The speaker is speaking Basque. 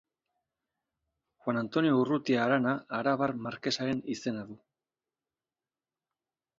Juan Antonio Urrutia Arana arabar markesaren izena du.